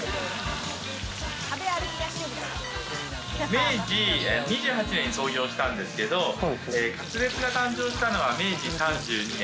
明治２８年に創業したんですけど、カツレツが誕生したのは明治３２年。